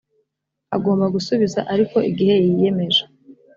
agomba gusubiza ariko igihe yiyemeje